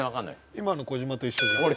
今の小島と一緒じゃん。